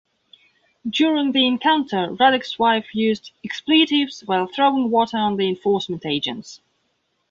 During the encounter, Ruddock's wife used expletives while throwing water on the enforcement agents.